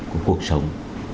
của cuộc sống